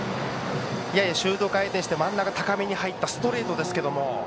ややシュート回転して真ん中高めに入ったストレートですけども。